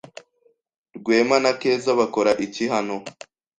Rwema na Keza bakora iki hano?